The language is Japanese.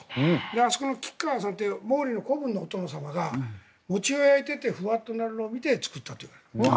あそこの吉川さんという毛利の子分のお殿様が餅小屋へ行ってふわっとなるのを見て作ったという。